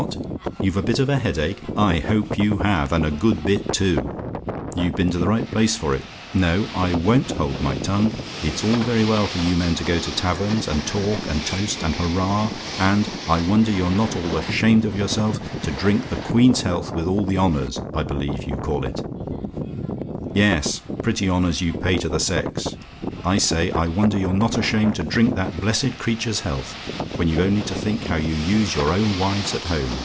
What? "YOU'VE A BIT OF A HEADACHE? "I hope you have and a good bit, too. You've been to the right place for it. No I won't hold my tongue. It's all very well for you men to go to taverns and talk and toast and hurrah and I wonder you're not all ashamed of yourselves to drink the Queen's health with all the honours, I believe, you call it yes, pretty honours you pay to the sex I say, I wonder you're not ashamed to drink that blessed creature's health, when you've only to think how you use your own wives at home.